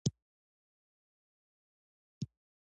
د مشرانو خبره منل برکت دی